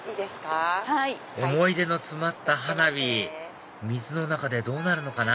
思い出の詰まった花火水の中でどうなるのかな？